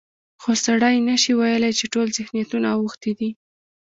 خو سړی نشي ویلی چې ټول ذهنیتونه اوښتي دي.